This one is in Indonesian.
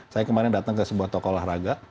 saya kemarin datang ke sebuah toko olahraga